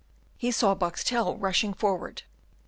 He saw Boxtel rushing forward.